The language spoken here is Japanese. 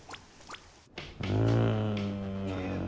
うん。